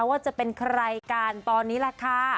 ว่าจะเป็นใครกันตอนนี้แหละค่ะ